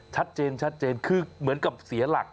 ชัดเจนชัดเจนคือเหมือนกับเสียหลัก